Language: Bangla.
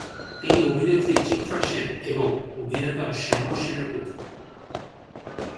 তিনি অভিনেত্রী চিত্রা সেন এবং অভিনেতা শ্যামল সেনের পুত্র।